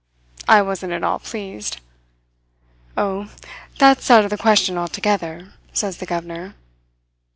I wasn't at all pleased. "'Oh, that's out of the question altogether,' says the governor.